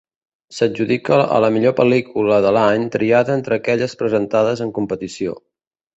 S'adjudica a la millor pel·lícula de l'any, triada entre aquelles presentades en competició.